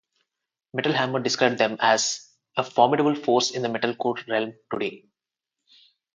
Metal Hammer described them as "a formidable force in the metalcore realm today".